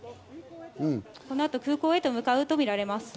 空港へと向かうとみられます。